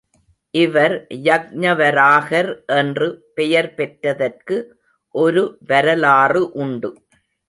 இவர் யக்ஞவராகர் என்று பெயர் பெற்றதற்கு ஒரு வரலாறு உண்டு.